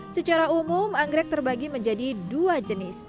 secara umum anggrek terbagi menjadi dua jenis